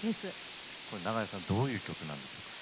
長屋さんどういう曲なんでしょうか。